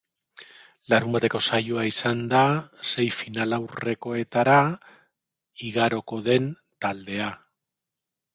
Larunbateko saioa izan da sei finalaurrekoetara igaroko den taldea.